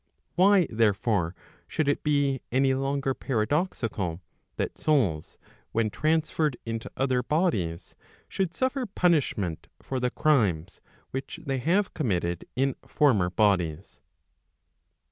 Why, therefore, should it be any longer paradoxical, that souls when transferred into other bodies, should suffer punishment for the crimes which they have committed in former bodies?